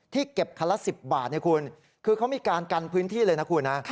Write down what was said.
เก็บคันละ๑๐บาทคุณคือเขามีการกันพื้นที่เลยนะคุณนะ